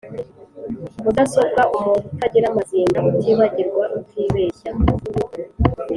Mudasobwa: umuntu utagira amazinda, utibagirwa, utibeshya.